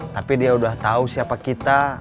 tapi dia udah tahu siapa kita